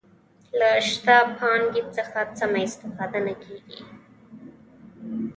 له شته پانګې څخه سمه استفاده نه کیږي.